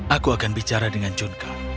aku akan bicara dengan junka